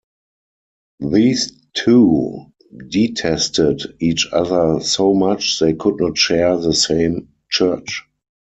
These two detested each other so much they could not share the same church.